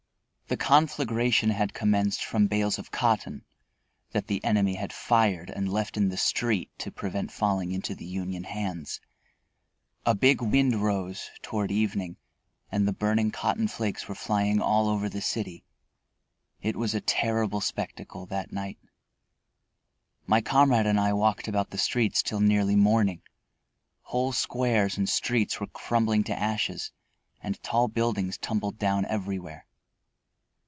The conflagration had commenced from bales of cotton that the enemy had fired and left in the street to prevent falling into the Union hands. A big wind rose toward evening and the burning cotton flakes were flying all over the city. It was a terrible spectacle that night. My comrade and I walked about the streets till nearly morning. Whole squares and streets were crumbling to ashes and tall buildings tumbled down everywhere.